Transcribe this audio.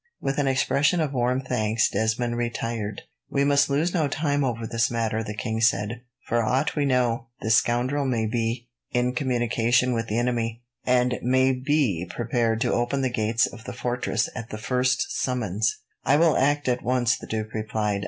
With an expression of warm thanks, Desmond retired. "We must lose no time over this matter," the king said. "For aught we know, this scoundrel may be in communication with the enemy, and may be prepared to open the gates of the fortress at the first summons." "I will act at once," the duke replied.